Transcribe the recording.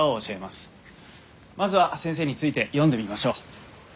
まずは先生について読んでみましょう。